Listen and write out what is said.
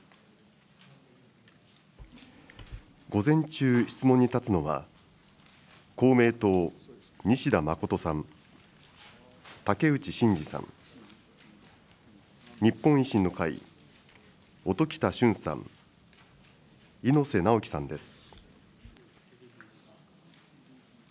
午前中、質問に立つのは、公明党、西田実仁さん、竹内真二さん、日本維新の会、音喜多駿さん、猪瀬直樹さんです。